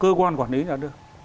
cơ quan quản lý nhà đơn